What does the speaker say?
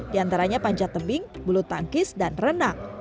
di antaranya pancat tembing bulu tangkis dan renang